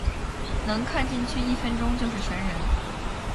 能看的进去一分钟就是神人